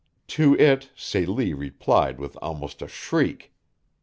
To it Celie replied with almost a shriek.